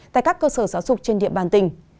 tại các cơ sở giáo dục trên địa bàn tỉnh